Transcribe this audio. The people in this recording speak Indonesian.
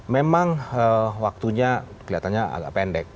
memang waktunya kelihatannya agak pendek